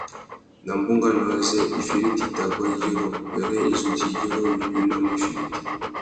Nà bunganô azê « ifiriti i tà guá yirô » wêrê i zu djï yirô wí unamú ifiriti.